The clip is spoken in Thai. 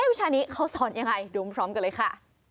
วิชานี้เขาสอนยังไงดูพร้อมกันเลยค่ะ